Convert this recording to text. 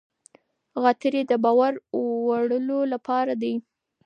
غاتري د بار وړلو لپاره دي.